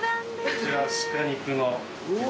こちら鹿肉のピザ。